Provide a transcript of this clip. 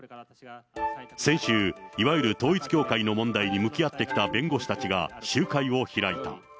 先週、いわゆる統一教会の問題に向き合ってきた弁護士たちが集会を開いた。